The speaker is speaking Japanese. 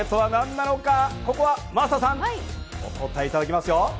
真麻さん、お答えいただきますよ。